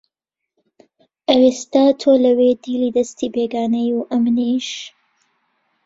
ئەوێستا تۆ لەوێ دیلی دەسی بێگانەی و ئەمنیش